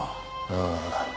ああ。